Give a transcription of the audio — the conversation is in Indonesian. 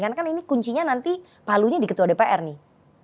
karena ini kuncinya nanti palunya di ketua dpr nih